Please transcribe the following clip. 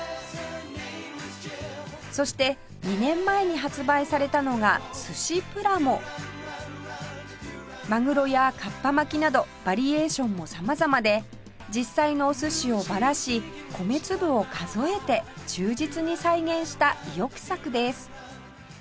そして２年前に発売されたのが寿司プラモ鮪やかっぱ巻きなどバリエーションも様々で実際のお寿司をばらし米粒を数えて忠実に再現した意欲作です